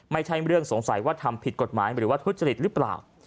ไม่ใช่เรื่องสงสัยว่าทำผิดกฎหมายหรือว่าทุจริตหรือเปล่า